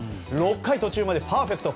６回途中までパーフェクト。